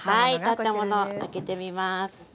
たったもの開けてみます。